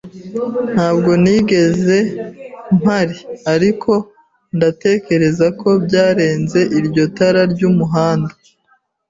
Ntabwo nigeze mpari, ariko ndatekereza ko byarenze iryo tara ryumuhanda.